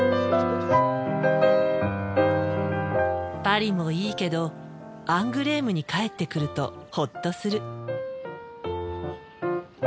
パリもいいけどアングレームに帰ってくるとホッとする。